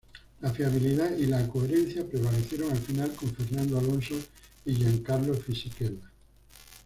La fiabilidad y la coherencia prevalecieron al final, con Fernando Alonso y Giancarlo Fisichella.